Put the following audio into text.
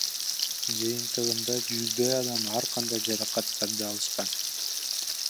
Жыйынтыгында жүздөй адам ар кандай жаракаттарды алышкан.